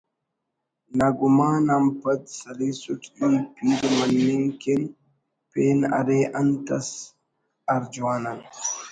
ناگمان آن پَد سَلِیسُٹ ای پیر مَننگ کن پین اَرے اَنت اس ہر جَوان آن